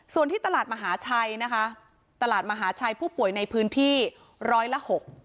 ส่วนที่ตลาดมหาชัยนะคะตลาดมหาชัยผู้ป่วยในพื้นที่ร้อยละหก